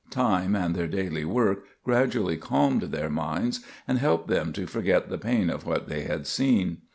Time and their daily work gradually calmed their minds and helped them to forget the pain of what they had seen.